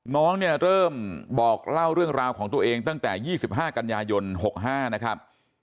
น้องเนี่ยเริ่มบอกเล่าเรื่องราวของตัวเองตั้งแต่๒๕กันยายน๖๕นะครับ